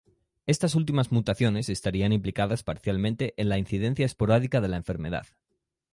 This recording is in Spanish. Estas últimas mutaciones estarían implicadas parcialmente en la incidencia esporádica de la enfermedad.